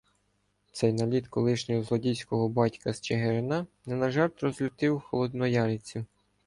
Цей наліт колишнього "злодійського батька" з Чигирина не на жарт роз- злостив холодноярців.